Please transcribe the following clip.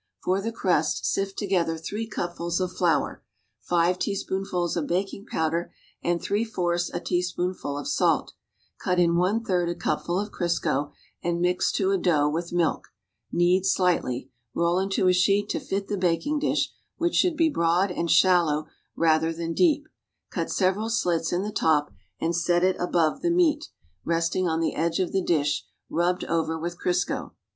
For the crust sift together three cupfuls of flour, five teaspoonfuls of baking powder and three fourths a teaspoonful of salt, cut in one third a cupful of Crisco, and mix to a dough with milk; knead slightly, roll into a shoot to fit the baking dish, which should be broad and shallow rather than deep; cut several slits in the lop and set il above the meat, resting on the edge of the dish, rubbed over with Crisco.